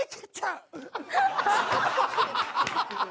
アハハハハ！